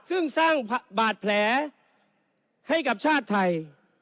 ซึ่งสร้างบาดแผลให้กับชาติไทย